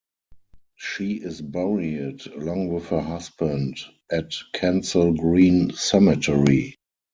She is buried, along with her husband, at Kensal Green Cemetery.